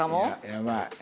やばい。